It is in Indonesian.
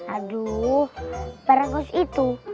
aduh perengus itu